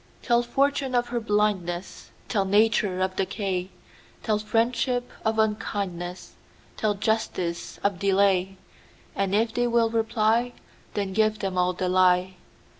Tell fortune of her blindness; Tell nature of decay; Tell friendship of unkindness; Tell justice of delay; And if they will reply, Then give them all the lie.